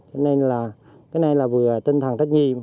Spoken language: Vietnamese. cái này là vừa tinh thần trách nhiệm